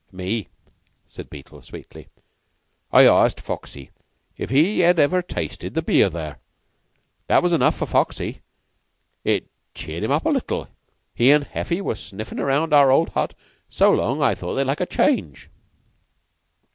"Me," said Beetle sweetly. "I asked Foxy if he had ever tasted the beer there. That was enough for Foxy, and it cheered him up a little. He and Heffy were sniffin' round our old hut so long I thought they'd like a change."